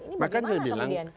ini bagaimana kemudian